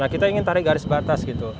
kita ingin tarik garis batas gitu